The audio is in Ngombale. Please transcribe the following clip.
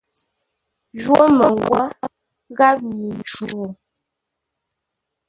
Jwó məngwə́ gháp nyi-cuu.